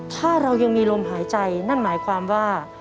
ถ้าเรายังมีลมหายใจนั่นหมายความว่า